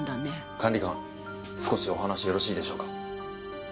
管理官少しお話よろしいでしょうか？